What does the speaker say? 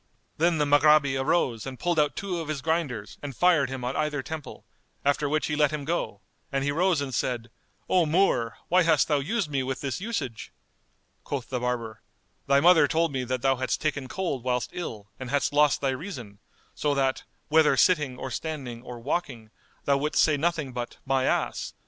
Then the Maghrabi arose and pulled out two of his grinders and fired him on either temple; after which he let him go, and he rose and said, "O Moor, why hast thou used me with this usage?" Quoth the barber, "Thy mother told me that thou hadst taken cold whilst ill, and hadst lost thy reason, so that, whether sitting or standing or walking, thou wouldst say nothing but My ass!